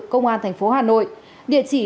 công an thành phố hà nội địa chỉ